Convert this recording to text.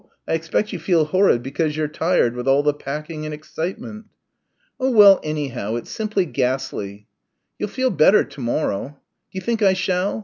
I expect you feel horrid because you're tired with all the packing and excitement." "Oh well, anyhow, it's simply ghastly." "You'll feel better to morrow." "D'you think I shall?"